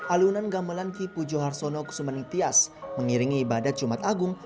alunan gamelan kipu johar sono kusumanitias mengiringi ibadah jumat agung